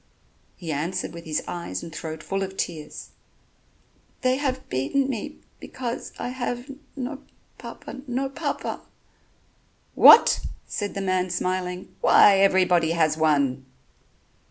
He answered with his eyes and throat full of tears: "They have beaten me ... because ... I ... have no ... Papa ... no Papa." "What!" said the man smiling, "why everybody has one."